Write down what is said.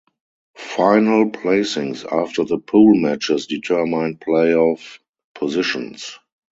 Final placings after the pool matches determined playoff positions.